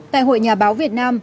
tại hội nhà báo việt nam